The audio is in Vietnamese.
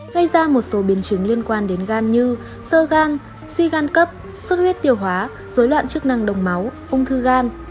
gây ra một số biến chứng liên quan đến gan như sơ gan suy gan cấp suất huyết tiêu hóa dối loạn chức năng đồng máu ung thư gan